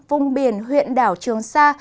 vùng biển huyện đảo trường sa